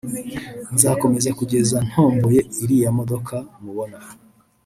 nzakomeza kugeza ntomboye iriya modoka mubona